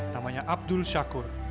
namanya abdul syakur